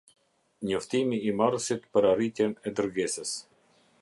Njoftimi i marrësit për arritjen e dërgesës.